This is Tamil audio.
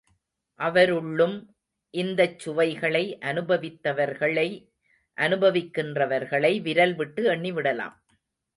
அவருள்ளும் இந்தச் சுவைகளை அனுபவித்தவர்களை அனுபவிக்கின்றவர்களை விரல் விட்டு எண்ணி விடலாம்.